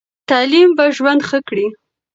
تعلیم به ژوند ښه کړي.